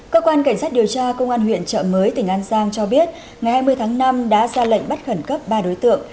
cơ quan cảnh sát điều tra công an huyện trợ mới tỉnh an giang cho biết ngày hai mươi tháng năm đã ra lệnh bắt khẩn cấp ba đối tượng